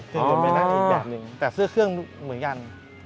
สู่น้ำไม่มีแล้วอีกแบบนึงแต่เสื้อเครื่องเหมือนกัน